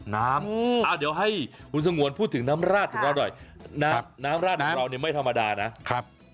น้ำเดี๋ยวให้คุณสงวนพูดถึงน้ำราดของเราหน่อยน้ำราดของเราเนี่ยไม่ธรรมดานะครับ